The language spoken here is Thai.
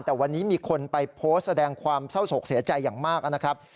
แต่วันนี้มีคนไปโพสต์แสดงความเศร้าศกเสียใจอย่างมากนะครับ